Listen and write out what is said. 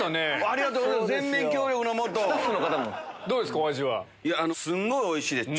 すんごいおいしいです。